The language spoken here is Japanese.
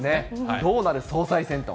どうなる総裁選と。